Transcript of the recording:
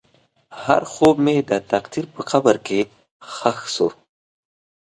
هر خوب مې د تقدیر په قبر کې ښخ شو.